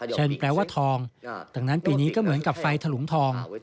แปลว่าทองดังนั้นปีนี้ก็เหมือนกับไฟถลุงทอง